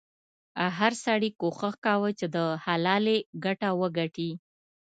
هر سړي کوښښ کاوه چې د حلالې ګټه وګټي.